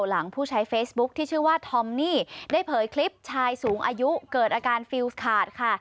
หลังผู้ใช้เฟซบุ๊คที่ชื่อว่าทอมนี่ได้เผยคลิปชายสูงอายุเกิดอาการฟิลขาดค่ะ